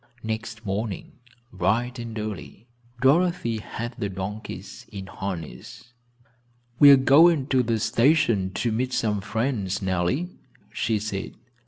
Next morning, bright and early, Dorothy had the donkeys in harness. "We are going to the station to meet some friends, Nellie," she said.